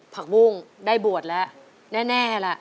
ผักบุ้งได้บวชแล้วแน่ล่ะ